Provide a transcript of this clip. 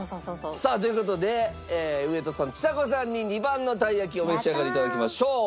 さあという事で上戸さんちさ子さんに２番のたい焼きをお召し上がり頂きましょう。